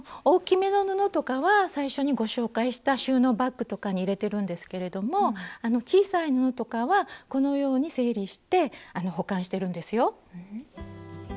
大きめの布とかは最初にご紹介した収納バッグとかに入れてるんですけれども小さい布とかはこのように整理して保管してるんですよ。